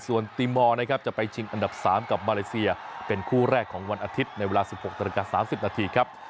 ส่วนตีมอร์นะครับจะไปชิงอันดับ๓กับมาเลเซียเป็นคู่แรกของวันอาทิตย์ในเวลา๑๖นาฬิกา๓๐นาทีครับ